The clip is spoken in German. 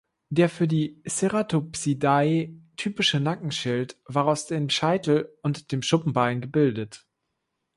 Der für die Ceratopsidae typische Nackenschild war aus dem Scheitel- und dem Schuppenbein gebildet.